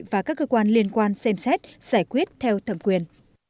và các cơ quan liên quan xem xét giải quyết theo thẩm quyền